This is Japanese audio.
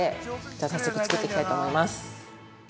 じゃあ、早速作っていきたいと思います。